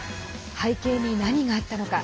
背景に何があったのか。